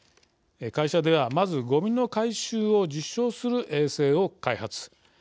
会社では、まずごみの回収を実証する衛星を開発。